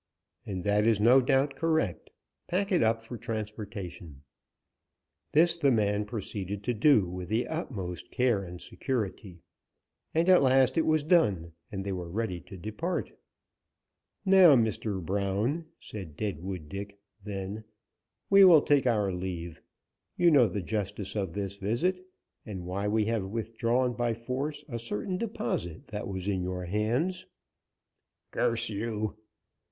"And that is no doubt correct. Pack it up for transportation." This the man proceeded to do, with the utmost care and security, and at last it was done and they were ready to depart. "Now, Mr. Brown," said Deadwood Dick, then, "we will take our leave. You know the justice of this visit, and why we have withdrawn by force a certain deposit that was in your hands." "Curse you!"